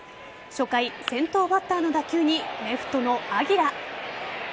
初回、先頭バッターの打球にレフトのアギラ。